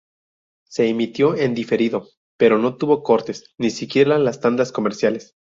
Se emitió en diferido, pero no tuvo cortes, ni siquiera las tandas comerciales.